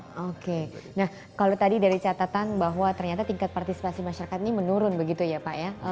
oke nah kalau tadi dari catatan bahwa ternyata tingkat partisipasi masyarakat ini menurun begitu ya pak ya